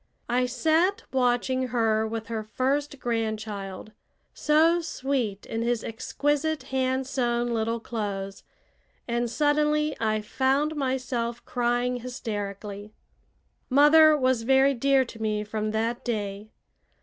I sat watching her with her first grandchild, so sweet in his exquisite hand sewn little clothes, and suddenly I found myself crying hysterically. Mother was very dear to me from that day.